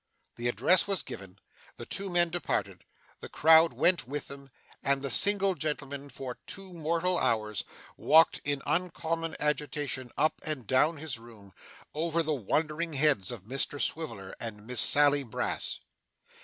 The address was given, the two men departed, the crowd went with them, and the single gentleman for two mortal hours walked in uncommon agitation up and down his room, over the wondering heads of Mr Swiveller and Miss Sally Brass.